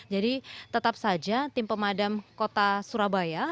jadi tetap saja tim pemadam kota surabaya